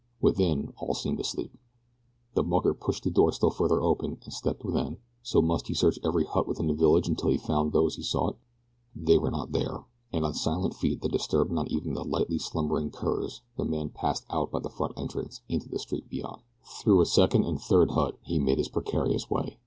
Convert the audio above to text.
Within all seemed asleep. The mucker pushed the door still further open and stepped within so must he search every hut within the village until he had found those he sought? They were not there, and on silent feet that disturbed not even the lightly slumbering curs the man passed out by the front entrance into the street beyond. Through a second and third hut he made his precarious way.